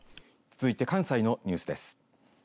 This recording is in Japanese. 続いて、関西のニュースです。